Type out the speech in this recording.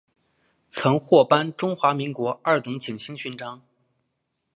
曾获颁中华民国二等景星勋章。